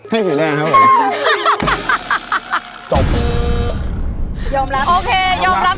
ให้สีแดงครับ